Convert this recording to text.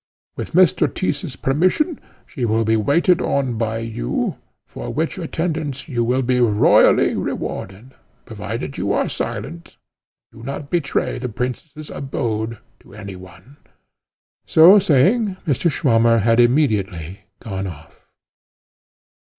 With Mr. Tyss's permission she will be waited on by you, for which attendance you will be royally rewarded, provided you are silent, and do not betray the princess' abode to any one." So saying, Mr. Swammer had immediately gone off.